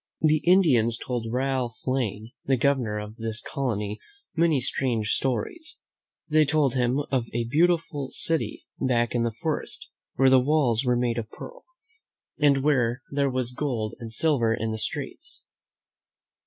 The Indians told Ralph Lane, the Governor of this colony, many strange stories. They told him of a beautiful city, back in the forest, where the walls were made of pearl, and where there was iO^ ^; V 97 T HE MEN WHO FOUND AM ERIC gold and silver in the streets.